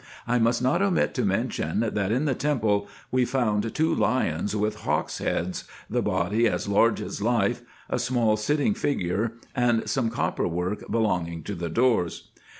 I must not omit to mention, that, in the temple, we found two lions with hawks' heads, the body as large as life ; a small sitting figure, and some copper work belonging to the doors.